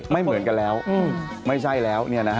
ไม่เหมือนกันแล้วไม่ใช่แล้วนี่นะครับ